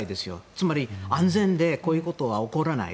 つまり安全でこういうことが起こらない